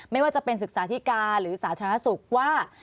ไม่ว่าจะเป็นศึกษาธิการหรือสาธารณสุขว่า